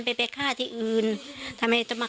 ไปไปฆ่าที่อื่นทำไมจะมา